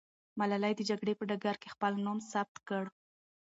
ملالۍ د جګړې په ډګر کې خپل نوم ثبت کړ.